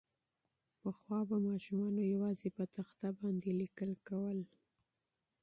پخوا به ماسومانو یوازې په تخته باندې لیکل کول.